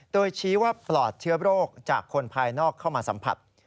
โดยชี้ว่าปลอดเชื้อโรคจากคนภายนอกเข้ามาสัมผัส